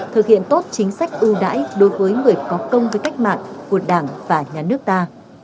thực hiện tốt chính sách ưu đãi đối với người có công với cách mạng của đảng và nhà nước ta